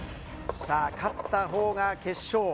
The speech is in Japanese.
勝ったほうが決勝。